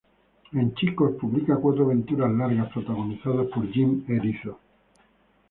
En "Chicos", publica cuatro aventuras largas protagonizadas por Jim Erizo.